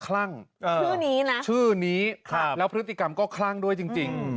ชื่อนี้นะชื่อนี้แล้วพฤติกรรมก็คลั่งด้วยจริง